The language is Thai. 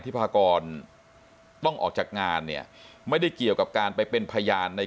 พากรต้องออกจากงานเนี่ยไม่ได้เกี่ยวกับการไปเป็นพยานใน